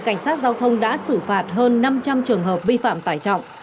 cảnh sát giao thông đã xử phạt hơn năm trăm linh trường hợp vi phạm tải trọng